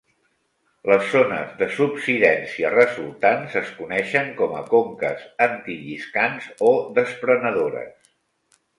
Les zones de subsidència resultants es coneixen com a conques antilliscants o desprenedores.